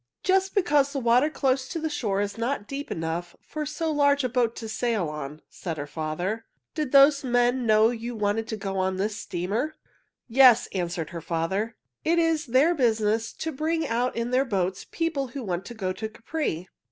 "Just because the water close to the shore is not deep enough for so large a boat to sail on," said her father. "Did those men know you wanted to go on this steamer?" "Yes," answered her father. "It is their business to bring out in their boats people who want to go to Capri."